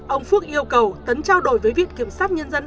ông phước yêu cầu tấn trao đổi với viện kiểm sát nhân dân